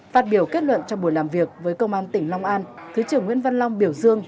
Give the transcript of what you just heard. phát biểu kết luận trong buổi làm việc với công an tỉnh long an thứ trưởng nguyễn văn long biểu dương